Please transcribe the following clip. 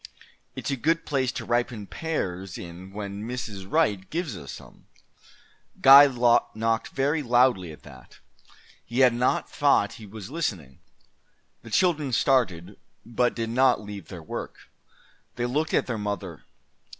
It's a good place to ripen pears in when Mrs. Wright gives us some." Guy knocked very loudly at that. He had not thought that he was listening. The children started, but did not leave their work. They looked at their mother.